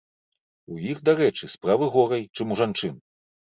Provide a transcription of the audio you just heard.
У іх, дарэчы, справы горай, чым у жанчын.